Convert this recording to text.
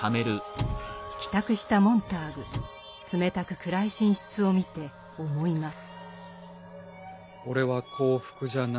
帰宅したモンターグ冷たく暗い寝室を見て思います。